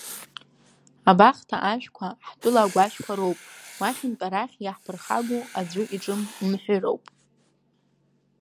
Абахҭа ашәқәа ҳтәыла агәашәқәа роуп, уахьынтә арахь иаҳԥырхагоу аӡәы иҿы мҳәыроуп.